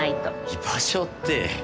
居場所って。